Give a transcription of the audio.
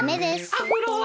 アフロは？